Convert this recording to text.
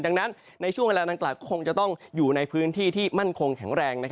ดังนั้นในช่วงเวลาดังกล่าวคงจะต้องอยู่ในพื้นที่ที่มั่นคงแข็งแรง